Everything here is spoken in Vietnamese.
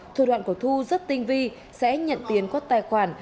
thu đoạn của thu rất tinh vi sẽ nhận tiền có tài khoản